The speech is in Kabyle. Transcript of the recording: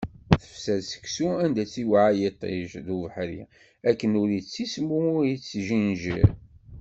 Tefser seksu anda i t-iweɛɛa yiṭij d ubeḥri, akken ur yettismum ur yettjinjiṛ.